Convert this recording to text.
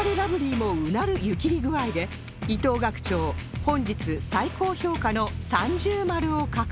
もうなる湯切り具合で伊藤学長本日最高評価の三重丸を獲得